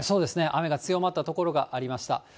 雨が強まった所がありました。